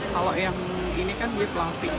kalau yang ini kan dia fluffy